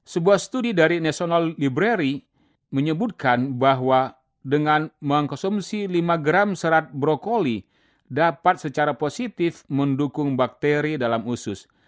sebuah studi dari national library menyebutkan bahwa dengan mengkonsumsi lima gram serat brokoli dapat secara positif mendukung bakteri dalam usus